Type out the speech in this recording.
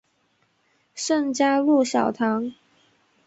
圣嘉禄小堂。